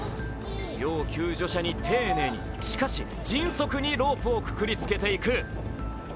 要救助者に丁寧に、しかし、迅速にロープをくくりつけていく。